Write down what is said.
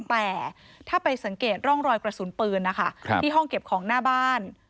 แต่ถ้าไปสังเกตร่องรอยกระสุนปืนนะคะที่ห้องเก็บของหน้าบ้าน